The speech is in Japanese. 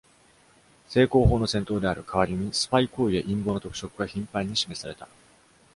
正攻法の戦闘である代わりにスパイ行為や陰謀の特色が頻繁に示された。